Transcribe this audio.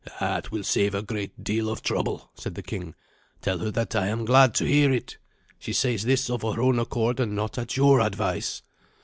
"That will save a great deal of trouble," said the king. "Tell her that I am glad to hear it. She says this of her own accord, and not at your advice?"